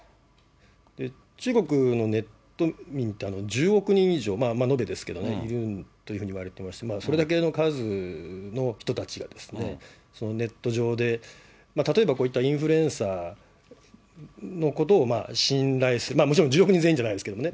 中国のネット民って、１０億人以上、延べですけど、いるというふうにいわれていまして、それだけの数の人たちが、ネット上で、例えばこういったインフルエンサーのことを信頼して、もちろん１０億人全員じゃないですけどね。